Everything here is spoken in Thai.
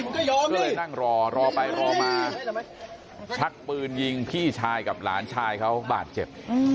ก็เลยนั่งรอรอไปรอมาชักปืนยิงพี่ชายกับหลานชายเขาบาดเจ็บ